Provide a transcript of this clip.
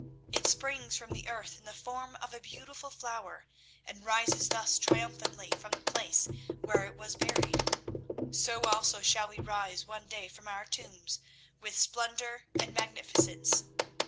It springs from the earth in the form of a beautiful flower, and rises thus triumphantly from the place where it was buried. So also shall we rise one day from our tombs with splendour and magnificence.